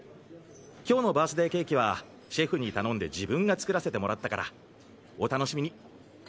今日のバースデーケーキはシェフに頼んで自分が作らせてもらったからお楽しみに。